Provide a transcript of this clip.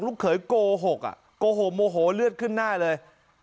เขยโกหกอ่ะโกหกโมโหเลือดขึ้นหน้าเลย